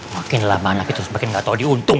makin lama anak itu semakin gak tau diuntung